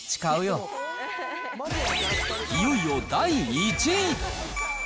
いよいよ第１位。